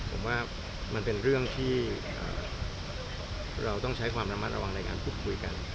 ผมว่ามันเป็นเรื่องที่เราต้องใช้ความระมัดระวังในการพูดคุยกัน